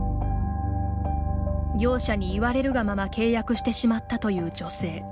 業者に言われるがまま契約してしまったという女性。